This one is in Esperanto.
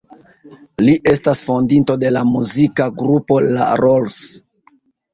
Li estas fondinto de la muzika grupo La Rolls.